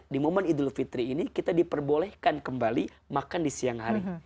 di momen idul fitri ini kita diperbolehkan kembali makan di siang hari